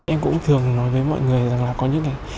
em cũng thường nói với mọi người rằng là có những cái